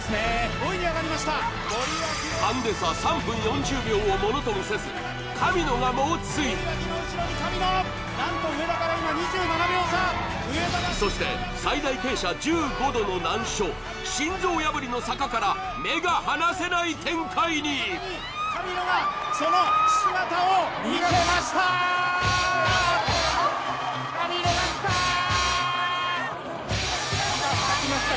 ５位に上がりましたハンデ差３分４０秒をものともせず森脇の後ろに神野何と上田から今２７秒差そして最大傾斜１５度の難所心臓破りの坂から目が離せない展開に来ました来ました